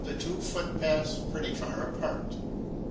the two footpaths pretty far apart.